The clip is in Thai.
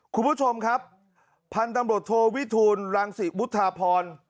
คุณผู้ชมครับพันธุ์ตำรวจโทวิทูลรังศิวุฒาพร